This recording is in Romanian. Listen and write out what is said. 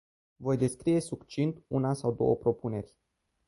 Voi descrie succint una sau două propuneri.